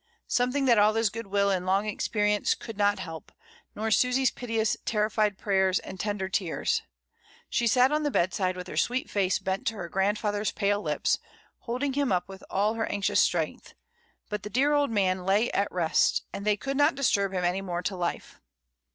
Something that all his good will and long ex perience could not help, nor Susy's piteous terrified prayers and tender tears. She sat on the bedside with her sweet face bent to her grandfather's pale lips, holding him up with all her anxious strength; but the dear old man lay at rest, and they could not disturb him any more to life.